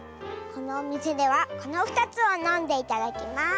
このおみせではこの２つをのんでいただきます。